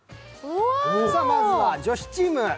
まずは女子チーム。